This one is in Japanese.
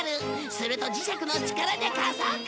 すると磁石の力で加速！